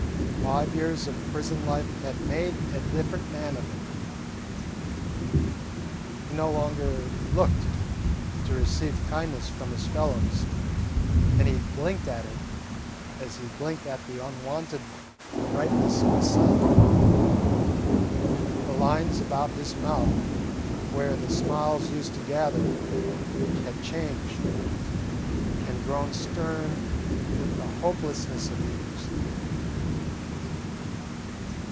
Five years of prison life had made a different man of him. He no longer looked to receive kindness from his fellows, and he blinked at it as he blinked at the unwonted brightness of the sun. The lines about his mouth where the smiles used to gather had changed and grown stern with the hopelessness of years.